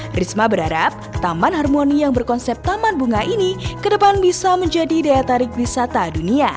trisma berharap taman harmoni yang berkonsep taman bunga ini ke depan bisa menjadi daya tarik wisata dunia